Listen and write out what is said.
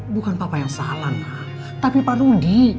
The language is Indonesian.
bukan papa yang salah nak tapi pak rudy